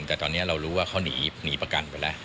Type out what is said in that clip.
แต่ตอนนี้เรารู้ว่าเขาหนีประกันไปแล้ว